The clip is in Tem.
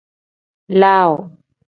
Laaw.